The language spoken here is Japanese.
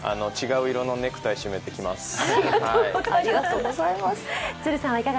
違う色のネクタイ締めて来ます。